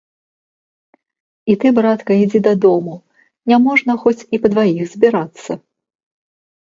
І ты, братка, ідзі дадому, няможна хоць і па дваіх збірацца.